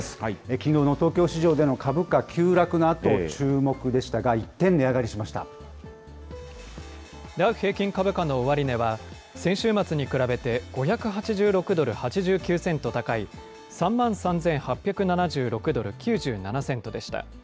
きのうの東京市場での株価急落のあと、注目でしたが、ダウ平均株価の終値は、先週末に比べて５８６ドル８９セント高い、３万３８７６ドル９７セントでした。